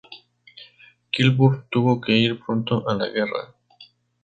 Kilburn tuvo que ir pronto a la guerra.